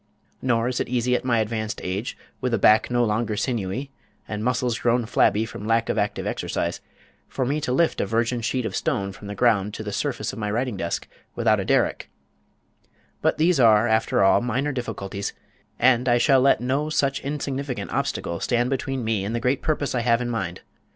Nor is it easy at my advanced age, with a back no longer sinewy, and muscles grown flabby from lack of active exercise, for me to lift a virgin sheet of stone from the ground to the surface of my writing desk without a derrick, but these are, after all, minor difficulties, and I shall let no such insignificant obstacles stand between me and the great purpose I have in mind.